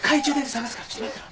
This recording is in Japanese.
捜すからちょっと待ってろ。